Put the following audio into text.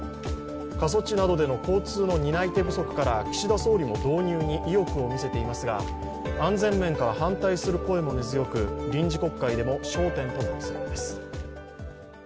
過疎地などでの交通の担い手不足から岸田総理も導入に意欲を見せていますが、安全面から反対する声も根強く、臨時国会でも焦点となりそうです。